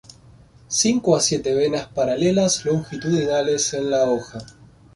Cinco a siete venas paralelas longitudinales en la hoja.